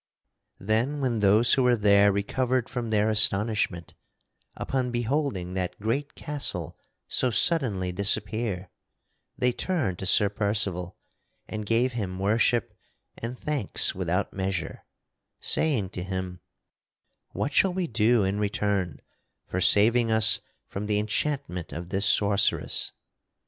Then when those who were there recovered from their astonishment, upon beholding that great castle so suddenly disappear, they turned to Sir Percival and gave him worship and thanks without measure, saying to him: "What shall we do in return for saving us from the enchantment of this sorceress?"